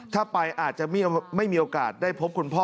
ถ้าไปอาจจะไม่มีโอกาสได้พบคุณพ่อ